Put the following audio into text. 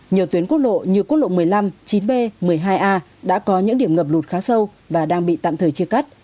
nhiều tuyến quốc lộ như quốc lộ một mươi năm chín b một mươi hai a đã có những điểm ngập lụt khá sâu và đang bị tạm thời chia cắt